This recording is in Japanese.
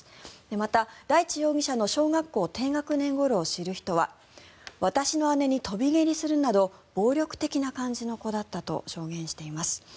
また、大地容疑者の小学校低学年ごろを知る人は私の姉に飛び蹴りするなど暴力的な感じの子だったと証言しています。